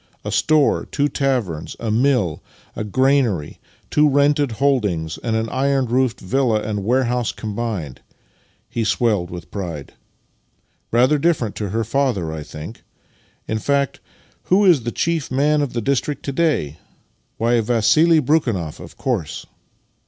A store, two taverns, a mill, a granary, two rented holdings, and an iron roofed villa and warehouse combined." He swelled with pride. " Rather dif ferent to her father, I think! In fact, who is the chief man in tlic district to day? Why, Vassili Brekhunoff, of course!